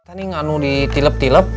kita nih ngamu ditilep tilep